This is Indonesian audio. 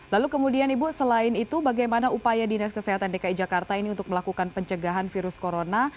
lalu kemudian ibu selain itu bagaimana upaya dinas kesehatan dki jakarta ini untuk melakukan pencegahan virus corona